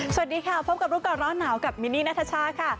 สวัสดีค่ะพบกับรู้ก่อนร้อนหนาวกับมินนี่นัทชาค่ะ